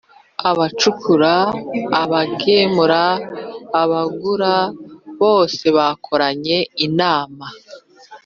abacukura abagemura abagura bose bakoranye inama